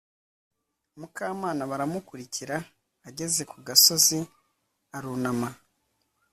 Mukamana Baramukurikira, ageze kuri ka gasozi arunama